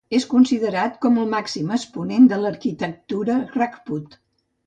És considerat com el màxim exponent de l'arquitectura Rajput.